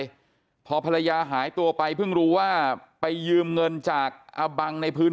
พอภรรยาหายตัวไปเพิ่งรู้ว่าไปยืมเงินจากอาบังในพื้น